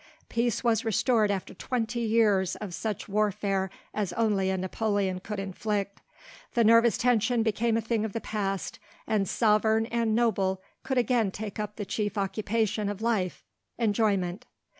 Peace was restored after twenty years of such warfare as only a Napoleon could inflict, the nervous tension became a thing of the past, and sovereign and noble could again take up the chief occupation of life, enjoyment.